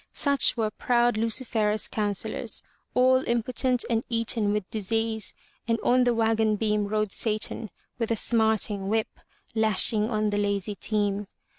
Such were proud Lucifera's counsellors, all impotent and eaten with disease, and on the wagon beam rode Satan with a smarting whip, lashing on the lazy team.